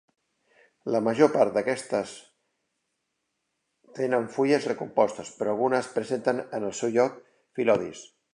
La major part d'aquestes tenen fulles recompostes, però algunes presenten en el seu lloc fil·lodis.